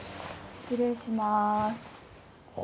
失礼します。